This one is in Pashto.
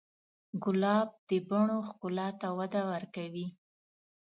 ګلاب د بڼو ښکلا ته وده ورکوي.